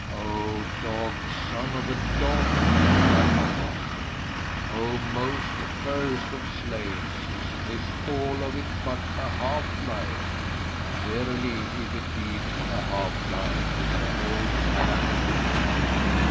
"O dog, son of a dog!", cried my master, "O most accursed of slaves, is this all of it but a half lie? Verily if it be a half lie 'tis a whole calamity!